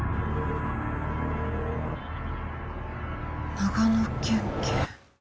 長野県警。